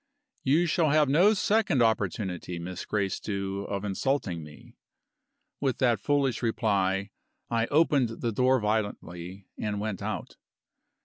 "You shall have no second opportunity, Miss Gracedieu, of insulting me." With that foolish reply, I opened the door violently and went out.